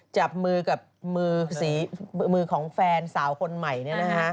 จับมือของแฟนสาวคนใหม่นี่